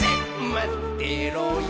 「まってろよ！」